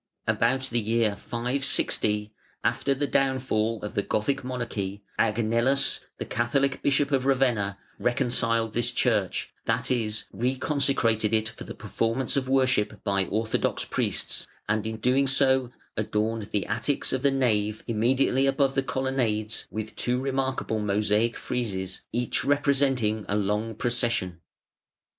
About the year 560, after the downfall of the Gothic monarchy, Agnellus, the Catholic Bishop of Ravenna, "reconciled" this church, that is, re consecrated it for the performance of worship by orthodox priests, and in doing so adorned the attics of the nave immediately above the colonnades with two remarkable mosaic friezes, each representing a long procession.